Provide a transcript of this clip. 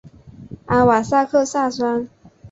阿瓦萨克萨山。